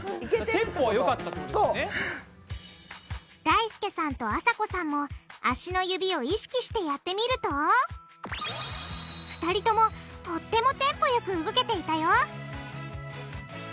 だいすけさんとあさこさんも足の指を意識してやってみると２人ともとってもテンポよく動けていたよ！